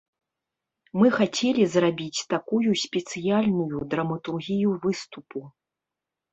Мы хацелі зрабіць такую спецыяльную драматургію выступу.